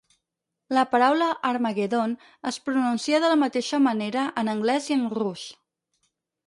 La paraula Harmagedon es pronuncia de la mateixa manera en anglès i en rus.